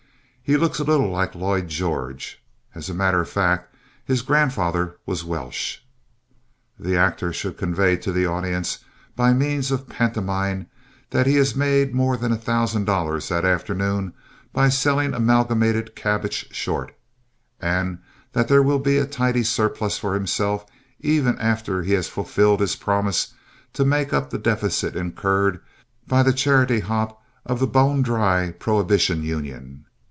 He looks a little like Lloyd George. As a matter of fact, his grandfather was Welsh. The actor should convey to the audience by means of pantomime that he has made more than a thousand dollars that afternoon by selling Amalgamated Cabbage short, and that there will be a tidy surplus for himself even after he has fulfilled his promise to make up the deficit incurred by the charity hop of the Bone Dry Prohibition Union.